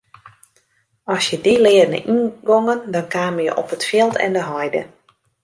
As je dy leane yngongen dan kamen je op it fjild en de heide.